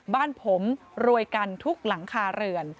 บ้านผมรวยกันทุกหลังคาเรือน